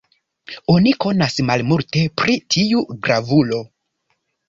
Oni konas malmulte pri tiu gravulo.